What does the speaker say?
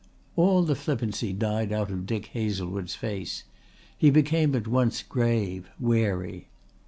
All the flippancy died out of Dick Hazlewood's face. He became at once grave, wary.